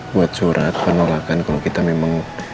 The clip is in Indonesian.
buat surat penolakan kalau kita memang